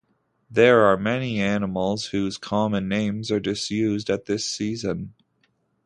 There are many animals whose common names are disused at this season.